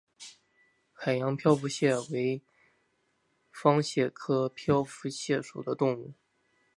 海洋漂浮蟹为方蟹科漂浮蟹属的动物。